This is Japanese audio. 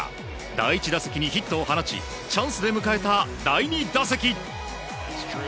第１打席にヒットを放ちチャンスで迎えた第２打席。